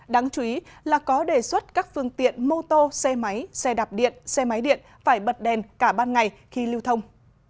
đáng chú ý là có đề xuất các phương tiện mô tô xe máy xe đạp điện xe máy điện phải bật đèn cả ban ngày khi lưu thông